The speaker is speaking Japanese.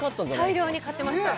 大量に買ってました